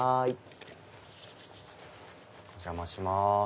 お邪魔します。